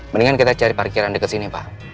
mendingan kita cari parkiran deket sini pak